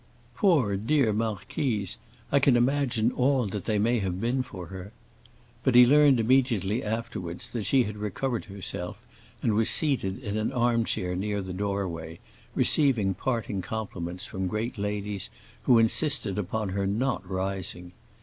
"Poor, dear marquise; I can imagine all that they may have been for her!" But he learned immediately afterwards that she had recovered herself and was seated in an armchair near the doorway, receiving parting compliments from great ladies who insisted upon her not rising.